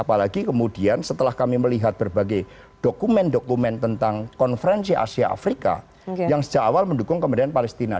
apalagi kemudian setelah kami melihat berbagai dokumen dokumen tentang konferensi asia afrika yang sejak awal mendukung kemerdekaan palestina